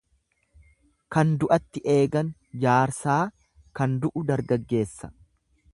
Kan du'atti eegan jaarsaa kan du'u dargaggeessa.